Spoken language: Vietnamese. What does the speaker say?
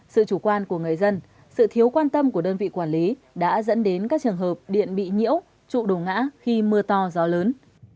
sự chủ quan của người dân sự thiếu quan tâm của đơn vị quản lý đã dẫn đến các trường hợp điện bị nhiễu trụ đổ ngã khi mưa to gió lớn